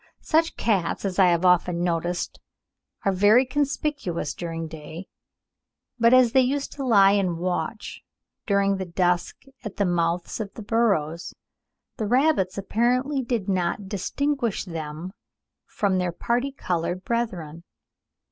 Such cats, as I have often noticed, are very conspicuous during day; but as they used to lie in watch during the dusk at the mouths of the burrows, the rabbits apparently did not distinguish them from their parti coloured brethren.